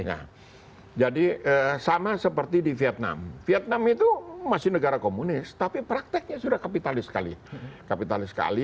nah jadi sama seperti di vietnam vietnam itu masih negara komunis tapi prakteknya sudah kapitalis sekali kapitalis sekali